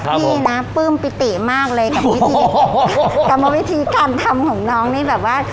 พี่นะปลื้มปิติมากเลยกับวิธีกรรมวิธีการทำของน้องนี่แบบว่า